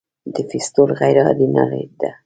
د فیستول غیر عادي نلۍ ده.